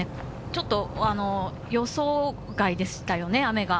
ちょっと予想外でしたね、雨が。